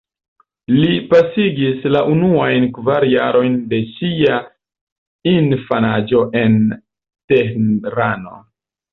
Li pasigis la unuajn kvar jarojn de sia infanaĝo en Tehrano.